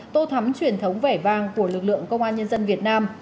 tô thắm truyền thống vẻ vang của lực lượng công an nhân dân việt nam